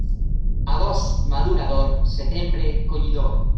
Agost madurador, setembre collidor.